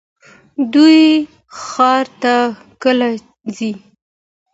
دوی ښار ته کله ځي؟